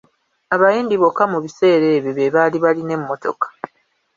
Abayindi bokka mu biseera ebyo be baali balina emmotoka.